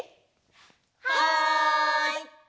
はい！